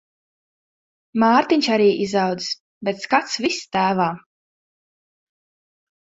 Mārtiņš arī izaudzis, bet skats viss tēvā.